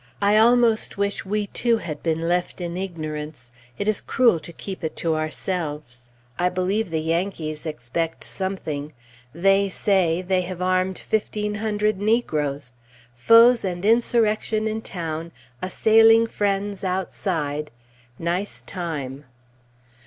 I almost wish we, too, had been left in ignorance; it is cruel to keep it to ourselves. I believe the Yankees expect something; "they say" they have armed fifteen hundred negroes. Foes and insurrection in town, assailing friends outside. Nice time!